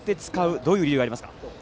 どういう理由がありますか。